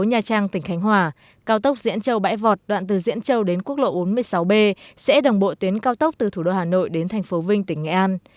nhà trang tỉnh khánh hòa cao tốc diễn châu bãi vọt đoạn từ diễn châu đến quốc lộ bốn mươi sáu b sẽ đồng bộ tuyến cao tốc từ thủ đô hà nội đến thành phố vinh tỉnh nghệ an